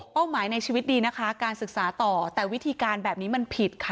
หมายในชีวิตดีนะคะการศึกษาต่อแต่วิธีการแบบนี้มันผิดค่ะ